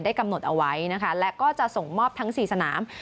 กำหนดเอาไว้นะคะและก็จะส่งมอบทั้ง๔สนาม